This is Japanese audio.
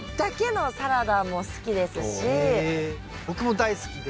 僕も大好きで。